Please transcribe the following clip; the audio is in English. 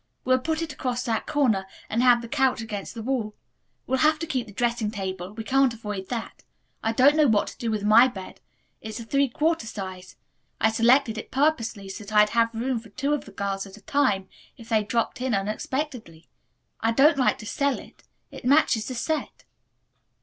We'll put it across that corner, and have the couch against that wall. We'll have to keep the dressing table. We can't avoid that. I don't know what to do with my bed. It is three quarter size. I selected it purposely, so that I'd have room for two of the girls at a time if they dropped in unexpectedly. I don't like to sell it. It matches the set."